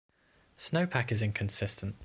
Snowpack is inconsistent.